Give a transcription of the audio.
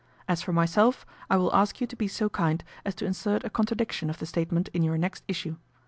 As for myself, I will ask you to be so kind as to insert a contradiction of the statement in your next issue.